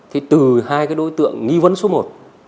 thì từ hai đối tượng nghi vấn số một